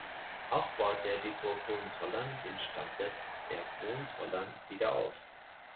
Auch baute er die Burg Hohenzollern, den Stammsitz der Hohenzollern, wieder auf.